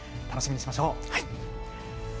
楽しみにしましょう。